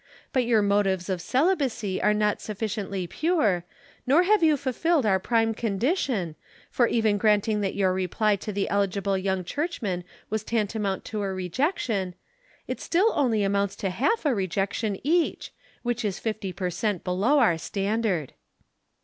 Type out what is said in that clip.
But your motives of celibacy are not sufficiently pure, nor have you fulfilled our prime condition, for even granting that your reply to the eligible young Churchman was tantamount to a rejection, it still only amounts to a half rejection each, which is fifty per cent. below our standard."